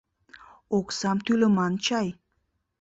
Оксам тӱлыман чай.